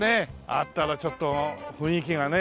あったらちょっと雰囲気がね。